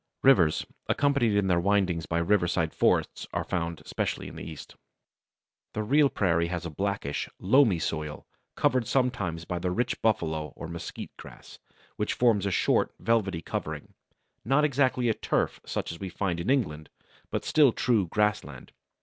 Rivers, accompanied in their windings by riverside forests, are found (especially in the east). The real prairie has a blackish, loamy soil, covered sometimes by the rich Buffalo or Mesquite grass, which forms a short, velvety covering, not exactly a turf such as we find in England, but still true grassland.